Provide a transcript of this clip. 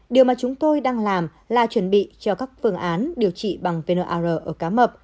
điều mà chúng tôi đang làm là chuẩn bị cho các phương án điều trị bằng vn ar ở cá mập